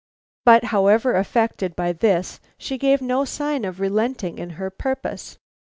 But however affected by this, she gave no sign of relenting in her purpose.